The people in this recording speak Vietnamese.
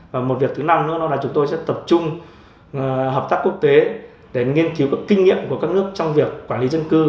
và một việc thứ năm nữa là chúng tôi sẽ tập trung hợp tác quốc tế để nghiên cứu các kinh nghiệm của các nước trong việc quản lý dân cư